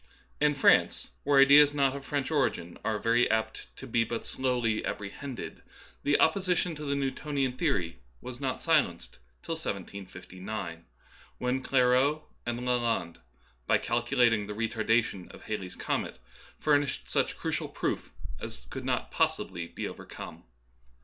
In France, where ideas not of French origin are very apt to be but slowly 2 Darwinism and Other Essays, apprehended, the opposition to the Newtonian theory was not silenced till 1759, when Ciairaut and Lalande, by calculating the retardation of Halley's comet, furnished such crucial proof as could not possibly be overcome.